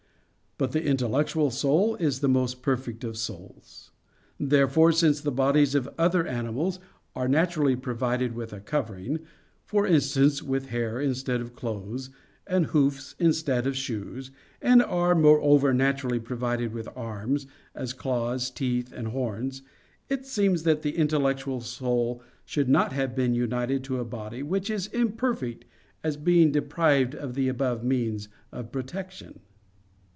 But the intellectual soul is the most perfect of souls. Therefore since the bodies of other animals are naturally provided with a covering, for instance, with hair instead of clothes, and hoofs instead of shoes; and are, moreover, naturally provided with arms, as claws, teeth, and horns; it seems that the intellectual soul should not have been united to a body which is imperfect as being deprived of the above means of protection.